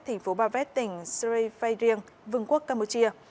thành phố ba vét tỉnh srei phae riêng vương quốc campuchia